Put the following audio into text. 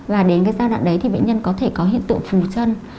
và đến giai đoạn đấy thì bệnh nhân có thể có hiện tượng phù chân